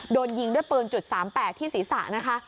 โดนยิงด้วยปืน๓๘ที่ศีรษะนะคะ